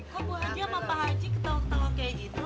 kok bu haji sama pak haji ketawa ketawa kayak gitu